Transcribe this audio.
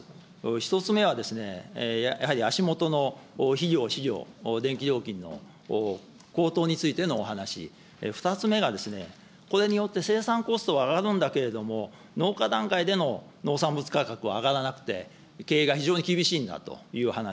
１つ目は、やはり足下の肥料、飼料、電気料金の高騰についてのお話、２つ目がこれによって生産コストは上がるんだけれども、農家段階での農産物価格は上がらなくて、経営が非常に厳しいんだという話。